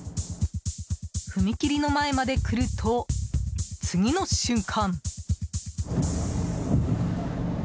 踏切の前まで来ると、次の瞬間。